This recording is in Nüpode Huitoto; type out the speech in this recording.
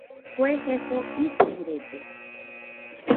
Kue jefo isirede